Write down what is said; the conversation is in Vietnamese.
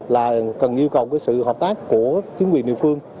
là cần yêu cầu cái sự hợp tác của chính quyền địa phương